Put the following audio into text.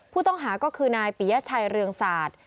ผู้ต้องหาก็คือนายปิยชัยเรืองศาสตร์